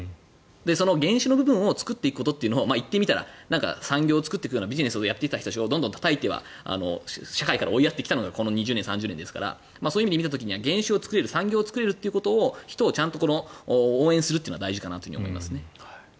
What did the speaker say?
その原資の部分を作っていくということを言っみたら、産業を作っていくようなビジネスを作ってきた人たちをたたいては社会から追いやってきたのがこの２０年から３０年ですからそういう意味で見た時に原資を作れる、産業を作れる人をちゃんと応援するのが大事かなと思います。